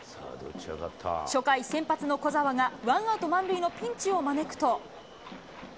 初回、先発の小澤が、ワンアウト満塁のピンチを招くと。